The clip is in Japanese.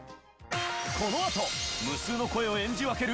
このあと無数の声を演じ分ける